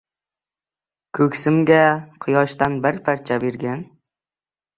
Ko‘ksimga quyoshdan bir parcha bergin.